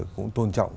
cũng tôn trọng